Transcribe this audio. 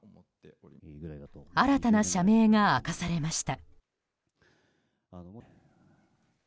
新たな社名が明かされました。